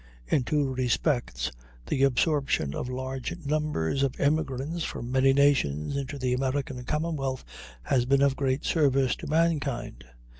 In two respects the absorption of large numbers of immigrants from many nations into the American commonwealth has been of great service to mankind.